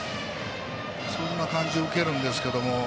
そんな感じを受けるんですけど。